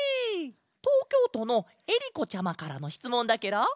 とうきょうとのえりこちゃまからのしつもんだケロ！